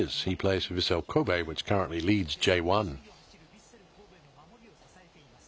Ｊ１で首位を走るヴィッセル神戸の守りを支えています。